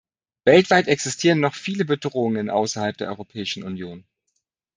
Weltweit existieren noch viele Bedrohungen außerhalb der Europäischen Union.